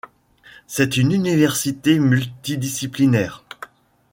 C'est une université multi-disciplinaire.